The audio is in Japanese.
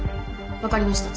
分かりました。